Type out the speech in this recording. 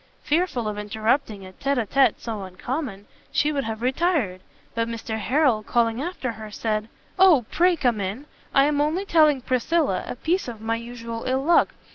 Fearful of interrupting a tete a tete so uncommon, she would have retired, but Mr Harrel, calling after her, said, "O pray come in! I am only telling Priscilla a piece of my usual ill luck.